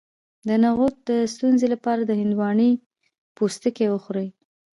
د نعوظ د ستونزې لپاره د هندواڼې پوستکی وخورئ